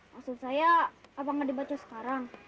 maksud saya apa nggak dibaca sekarang